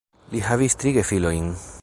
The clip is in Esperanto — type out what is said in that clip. Ili havis tri gefilojn.